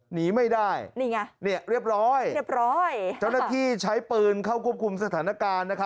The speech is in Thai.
หนีไม่ได้เรียบร้อยจ้าวหน้าที่ใช้ปืนเข้ากวมคุมสถานการณ์